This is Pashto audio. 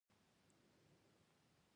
موزیک د عشقه ښکلا ده.